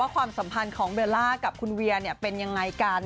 ความสัมพันธ์ของเบลล่ากับคุณเวียเป็นยังไงกัน